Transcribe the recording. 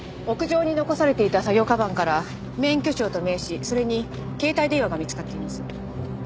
屋上に残されていた作業かばんから免許証と名刺それに携帯電話が見つかっています。